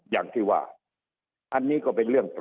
อย่างที่ว่าอันนี้ก็เป็นเรื่อง